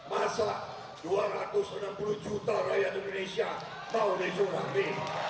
masa dua ratus enam puluh juta rakyat indonesia tahun reformasi